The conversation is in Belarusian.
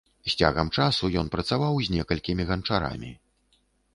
З цягам часу ён працаваў з некалькімі ганчарамі.